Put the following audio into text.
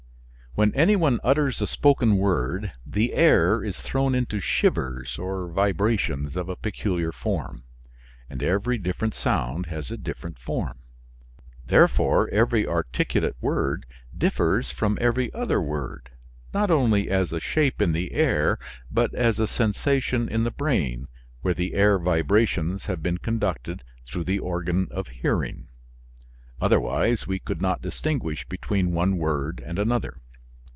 When any one utters a spoken word the air is thrown into shivers or vibrations of a peculiar form, and every different sound has a different form. Therefore, every articulate word differs from every other word, not only as a shape in the air, but as a sensation in the brain, where the air vibrations have been conducted through the organ of hearing; otherwise we could not distinguish between one word and another.